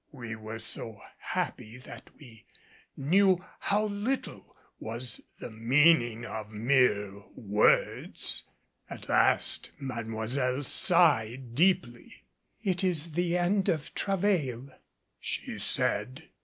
We were so happy that we knew how little was the meaning of mere words. At last Mademoiselle sighed deeply. "It is the end of travail," she said.